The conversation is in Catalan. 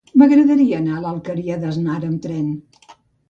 M'agradaria anar a l'Alqueria d'Asnar amb tren.